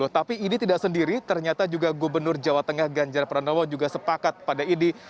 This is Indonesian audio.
tapi idi tidak sendiri ternyata juga gubernur jawa tengah ganjar pranowo juga sepakat pada idi